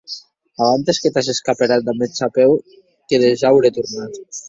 Abantes que t'ages caperat damb eth chapèu que ja aurè tornat.